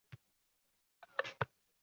Dadasi esa qizining chiqishini kutdi